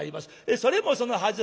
それもそのはず